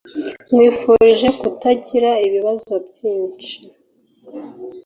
Nkwifurije kutagira ibibazo byinshi